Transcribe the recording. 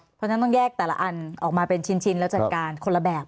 เพราะฉะนั้นต้องแยกแต่ละอันออกมาเป็นชิ้นแล้วจัดการคนละแบบ